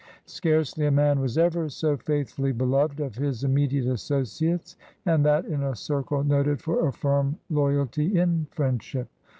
Scarcely a man was ever so faithfully beloved of his immediate associates, and that in a circle noted for a firm loyalty in friendship.